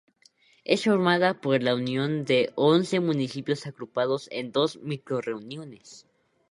Es formada por la unión de once municipios agrupados en dos microrregiones.